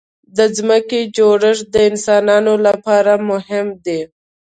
د ځمکې جوړښت د انسانانو لپاره مهم دی.